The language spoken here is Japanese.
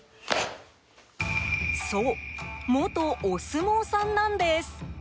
そう、元お相撲さんなんです。